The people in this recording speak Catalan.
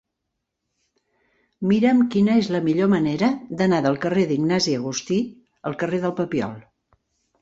Mira'm quina és la millor manera d'anar del carrer d'Ignasi Agustí al carrer del Papiol.